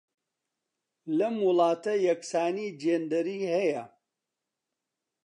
لەم وڵاتە یەکسانیی جێندەری هەیە.